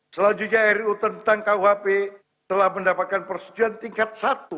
selanjutnya ru tentang kuhp telah mendapatkan persetujuan tingkat satu